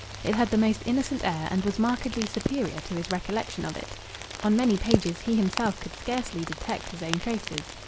It had the most innocent air, and was markedly superior to his recollection of it. On many pages he himself could scarcely detect his own traces.